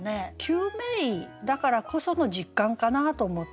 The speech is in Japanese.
救命医だからこその実感かなと思って。